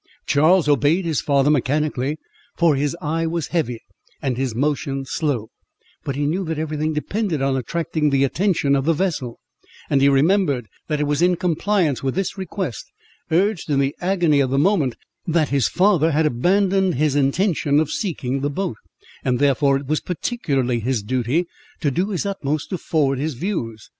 Charles obeyed his father mechanically, for his eye was heavy, and his motion slow; but he knew that every thing depended on attracting the attention of the vessel, and he remembered that it was in compliance with this request, urged in the agony of the moment, that his father had abandoned his intention of seeking the boat, and therefore it was particularly his duty to do his utmost to forward his views.